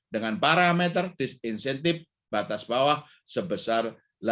dengan parameter disincentive batas bawah sebesar delapan puluh empat